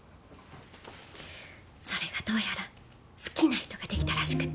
それがどうやら好きな人ができたらしくって。